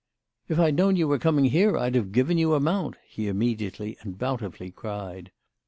"If I had known you were coming here I'd have given you a mount," he immediately and bountifully cried.